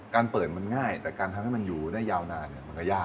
การเปิดมันง่ายแต่การทำให้มันอยู่ได้ยาวนานมันก็ยาก